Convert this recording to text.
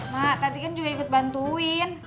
mak tadi kan juga ikut bantuin